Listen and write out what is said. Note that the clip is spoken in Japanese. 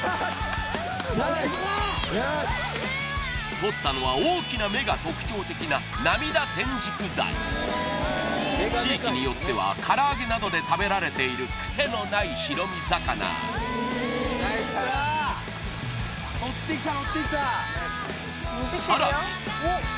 とったのは大きな目が特徴的な地域によっては唐揚げなどで食べられているクセのない白身魚さらに